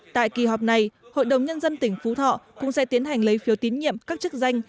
tại kỳ họp này hội đồng nhân dân tỉnh phú thọ cũng sẽ tiến hành lấy phiếu tín nhiệm các chức danh